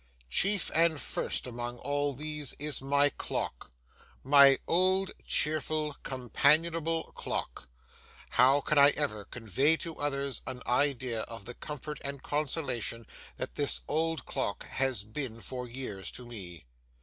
Chief and first among all these is my Clock,—my old, cheerful, companionable Clock. How can I ever convey to others an idea of the comfort and consolation that this old Clock has been for years to me!